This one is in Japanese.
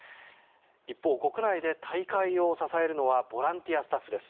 一方、国内で大会を支えるのはボランティアスタッフです。